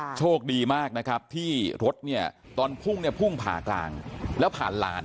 โชคดีมากนะครับที่รถเนี่ยตอนพุ่งเนี่ยพุ่งผ่ากลางแล้วผ่านลาน